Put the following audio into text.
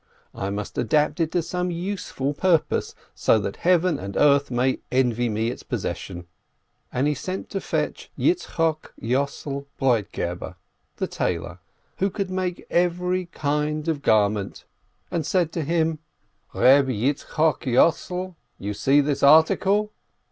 I must adapt it to some useful purpose, so that Heaven and earth may envy me its possession !" And he sent to fetch Yitzchok Yossel Broitgeber, the tailor, who could make every kind of garment, and said to him: 240 LERNEB "Reb Yitzchok Yossel, you see this article?"